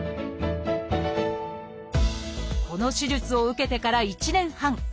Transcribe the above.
この手術を受けてから１年半。